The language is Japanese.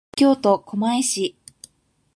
東京都狛江市